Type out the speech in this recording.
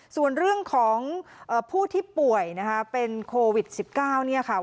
ส่วนเรื่องของผู้ที่ป่วยนะคะเป็นโควิด๑๙เนี่ยค่ะ